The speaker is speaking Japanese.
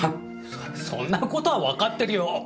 そそんなことはわかってるよ。